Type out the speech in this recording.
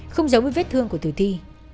không giống với vết thương của tử thi